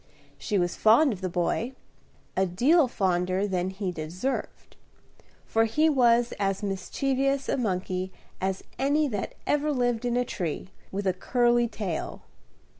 She was fond of the boy, a deal fonder than he deserved, for he was as mischievous a monkey as any that ever lived in a tree, with a curly tail.